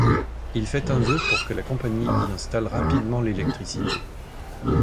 Il fait un vœu pour que la Compagnie y installe rapidement l'électricité.